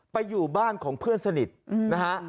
อยู่บ้านของเพื่อนสนิทนะฮะ